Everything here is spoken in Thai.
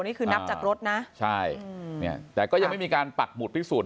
นี้คือนับจากรถนะใช่แต่ก็ยังไม่มีการปัดหมุดที่สูตร